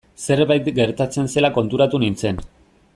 Zerbait gertatzen zela konturatu nintzen.